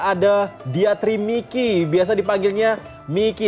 ada diatri miki biasa dipanggilnya miki